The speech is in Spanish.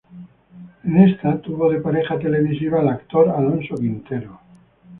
En esta tuvo de pareja televisiva al actor Alonso Quintero.